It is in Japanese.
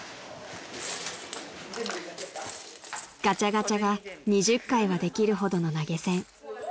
［ガチャガチャが２０回はできるほどの投げ銭］